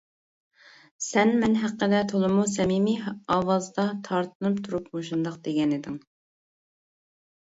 سەن مەن ھەققىدە تولىمۇ سەمىمىي ئاۋازدا تارتىنىپ تۇرۇپ مۇشۇنداق دېگەنىدىڭ.